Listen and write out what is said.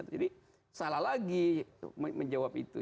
jadi salah lagi menjawab itu